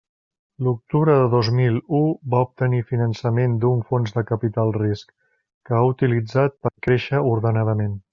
L'octubre de dos mil u va obtenir finançament d'un fons de capital risc, que ha utilitzat per créixer ordenadament.